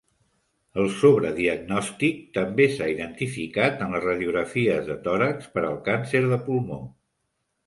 El sobrediagnòstic també s'ha identificat en les radiografies de tòrax per al càncer de pulmó.